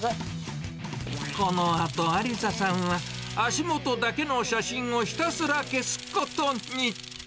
このあと、ありささんは、足元だけの写真をひたすら消すことに。